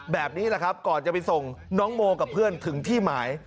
แบบนี้แหละครับก่อนจะไปส่งน้องโมกับเพื่อนถึงที่หมาย